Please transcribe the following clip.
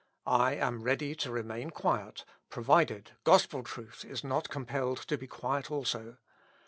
I am ready to remain quiet, provided gospel truth is not compelled to be quiet also.